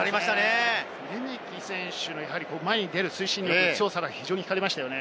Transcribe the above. レメキ選手の前に出る推進力、強さが非常にひかれましたね。